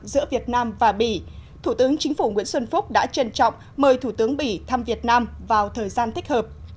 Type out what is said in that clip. giữa việt nam và bỉ thủ tướng chính phủ nguyễn xuân phúc đã trân trọng mời thủ tướng bỉ thăm việt nam vào thời gian thích hợp